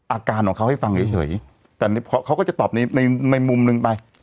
อาการของเขาให้ฟังเฉยแต่เขาก็จะตอบในในมุมหนึ่งไป